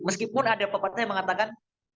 meskipun ada pepatah yang mengatakan